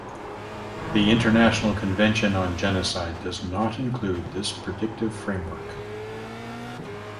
The international convention on Genocide does not include this predictive framework.